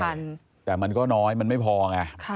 ใช่แต่มันก็น้อยมันไม่พอไงค่ะ